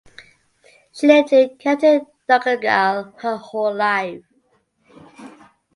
She lived in County Donegal her whole life.